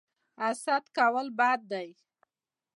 حسد کول بد دي